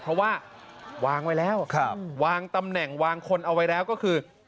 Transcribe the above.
เพราะว่าวางไว้แล้ววางตำแหน่งวางคนเอาไว้แล้วก็คือ